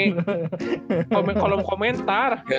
yang bikin rame kolom komentar